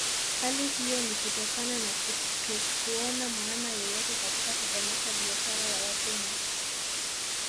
Hali hiyo ni kutokana na kutokuona maana yoyote katika kukomesha biashara ya watumwa